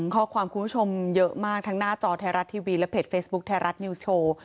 ข้อความคุณผู้ชมเยอะมากทั้งหน้าจอไทยรัฐทีวีและเพจเฟซบุ๊คไทยรัฐนิวส์โชว์